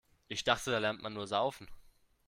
Ich dachte, da lernt man nur Saufen.